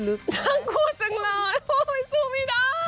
นางกลัวจังเลยสู้ไม่ได้